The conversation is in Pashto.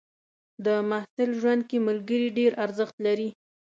د محصل ژوند کې ملګري ډېر ارزښت لري.